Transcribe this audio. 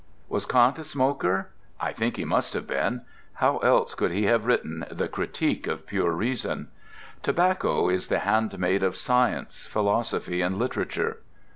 Was Kant a smoker? I think he must have been. How else could he have written "The Critique of Pure Reason"? Tobacco is the handmaid of science, philosophy, and literature.